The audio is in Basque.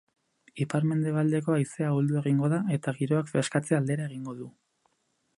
Ipar-mendebaldeko haizea ahuldu egingo da eta giroak freskatze aldera egingo du.